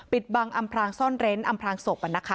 ปิดบังอำพลางซ่อนเร้นอำพลางศพ